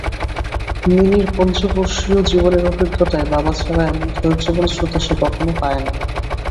মিনির পঞ্চবর্ষীয় জীবনের অভিজ্ঞতায় বাবা ছাড়া এমন ধৈর্যবান শ্রোতা সে কখনো পায় নাই।